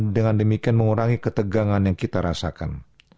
dengan demikian mengurangi ketegangan yang kita rasakan